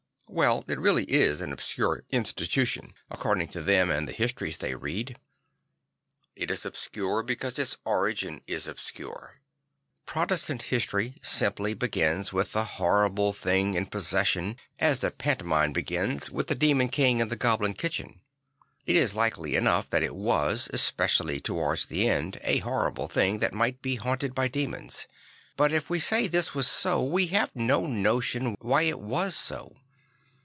Well, it really is an obscure institution, according to them and the histories they read. It is obscure because its origin is obscure. Pro testant history simply begins with the horrible thing in possession, as the pantomime begins with the demon king in the goblin kitchen. It is likely enough that it was, especially towards the end, a horrible thing that might be haunted by demons; but if we say this was so, we have no notion why it was so.